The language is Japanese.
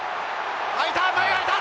空いた。